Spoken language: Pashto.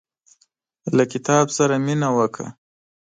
له کتاب سره مينه وکړه.